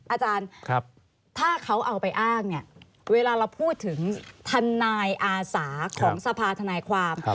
อาจารย์ถ้าเขาเอาไปอ้างเนี่ยเวลาเราพูดถึงทนายอาสาของสภาธนายความ